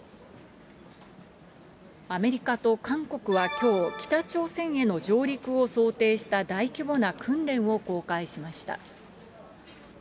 アメリカと韓国はきょう、北朝鮮への上陸を想定した大規模な訓練を公開しました。